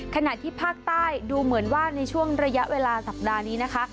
ขณะที่ภาคใต้ดูเหมือนว่าในช่วงระยะเวลาสัปดาห์นี้นะคะ